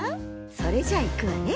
それじゃいくわね。